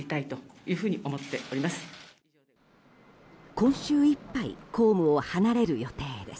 今週いっぱい公務を離れる予定です。